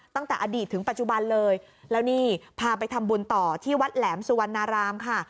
ตั้งแต่อดีตถึงปัจจุบันเลยแล้วนี่พาไปทำบุญต่อที่วัดแหลมสุวรรณรามค่ะ